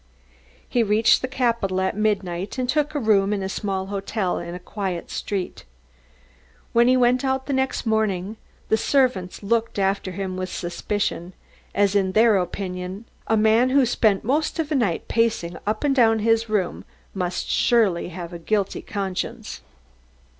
He reached the capital at midnight and took a room in a small hotel in a quiet street. When he went out next morning, the servants looked after him with suspicion, as in their opinion a man who spent most of the night pacing up and down his room must surely have a guilty conscience.